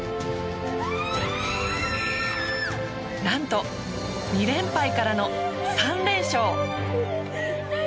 何と２連敗からの３連勝。